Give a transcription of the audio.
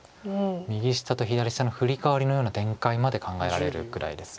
右下と左下のフリカワリのような展開まで考えられるくらいです。